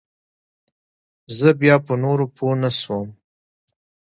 زه بيا په نورو پوه نسوم.